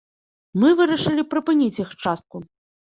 Мы вырашылі прыпыніць іх частку.